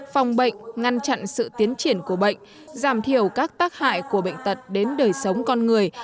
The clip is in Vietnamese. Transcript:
phòng bệnh ngăn chặn sự tiến triển của bệnh giảm thiểu các tác hại của bệnh tật đến đời sống con người